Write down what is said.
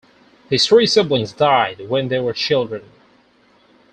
His three siblings died when they were children.